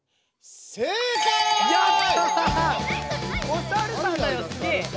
おさるさんだよすげぇ！